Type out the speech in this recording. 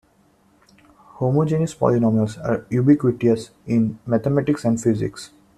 Homogeneous polynomials are ubiquitous in mathematics and physics.